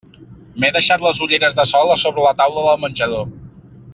M'he deixat les ulleres de sol a sobre la taula del menjador.